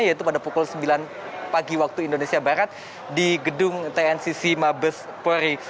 yaitu pada pukul sembilan pagi waktu indonesia barat di gedung tncc mabespori